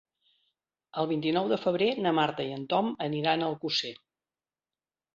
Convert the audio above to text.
El vint-i-nou de febrer na Marta i en Tom aniran a Alcosser.